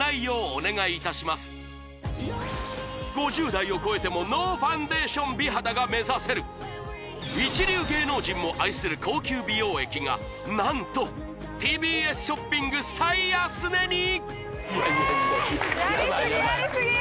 ５０代を超えてもノーファンデーション美肌が目指せる一流芸能人も愛する高級美容液が何とＴＢＳショッピング最安値に！